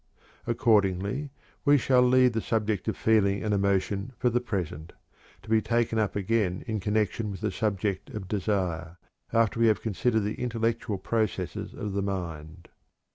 Accordingly, we shall leave the subject of feeling and emotion for the present, to be taken up again in connection with the subject of desire, after we have considered the intellectual processes of the mind.